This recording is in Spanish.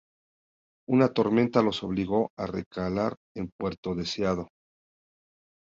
Una tormenta los obligó a recalar en Puerto Deseado.